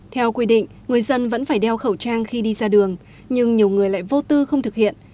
theo quy định người dân vẫn phải đeo khẩu trang khi đi ra đường nhưng nhiều người lại vô tư không thực hiện